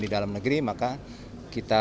di dalam negeri maka kita